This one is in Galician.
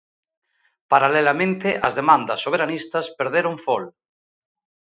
Paralelamente, as demandas soberanistas perderon fol.